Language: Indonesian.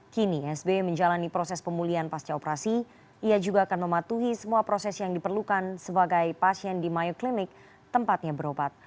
kini sbi menjalani proses pemulihan pasca operasi ia juga akan mematuhi semua proses yang diperlukan sebagai pasien di mayoclinik tempatnya berobat